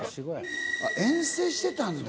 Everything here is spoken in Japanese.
遠征してたんだ。